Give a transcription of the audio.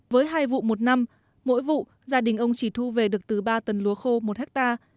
với hai vụ một năm mỗi vụ gia đình ông chỉ thu về được từ ba tấn lúa khô một hectare